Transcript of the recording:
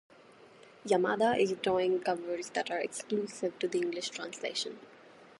Yamada is drawing covers that are exclusive to the English translation.